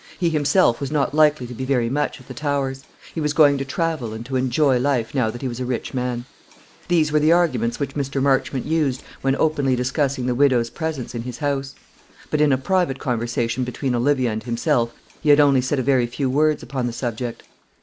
He himself was not likely to be very much at the Towers. He was going to travel and to enjoy life now that he was a rich man. These were the arguments which Mr. Marchmont used when openly discussing the widow's residence in his house. But in a private conversation between Olivia and himself he had only said a very few words upon the subject.